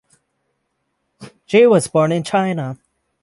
Ge was born in China.